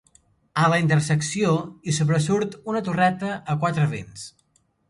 A la intersecció hi sobresurt una torreta a quatre vents.